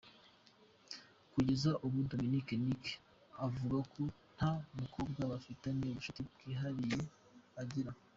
Kugeza ubu Dominic Nic avuga ko nta mukobwa bafitanye ubucuti bwihariye agira.